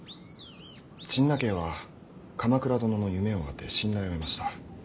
陳和は鎌倉殿の夢を当て信頼を得ました。